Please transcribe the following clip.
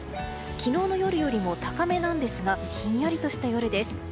昨日の夜よりも高めなんですがひんやりとした夜です。